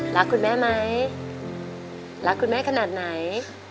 รักคุณแม่ไหมรักคุณแม่ขนาดไหน